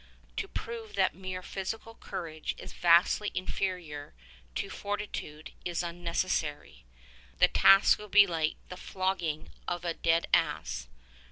To prove that mere physical courage is vastly inferior to fortitude is unnecessary : the task would be like the flogging of a dead ass.